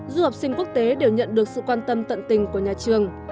du học sinh quốc tế đều nhận được sự quan tâm tận tình của nhà trường